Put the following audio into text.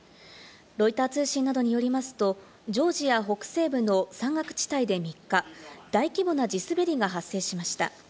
ロイター通信などによりますと、ジョージア北西部の山岳地帯で３日、大規模な地滑りが発生しました。